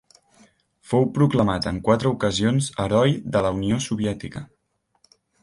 Fou proclamat en quatre ocasions Heroi de la Unió Soviètica.